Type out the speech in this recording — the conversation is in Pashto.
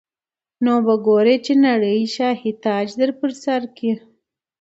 نو به ګورې چي نړۍ دي د شاهي تاج در پرسر کي